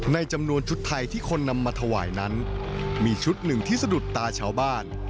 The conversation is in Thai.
ในจำนวนชุดไทยที่คนนำมาถวายนั้นมีชุดหนึ่งที่สะดุดตาชาวบ้าน